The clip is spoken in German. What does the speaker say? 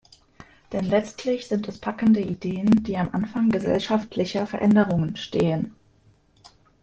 Denn letztlich sind es packende Ideen, die am Anfang gesellschaftlicher Veränderungen stehen.